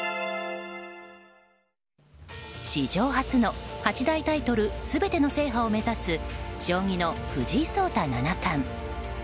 史上初の八大タイトル全ての制覇を目指す将棋の藤井聡太七冠。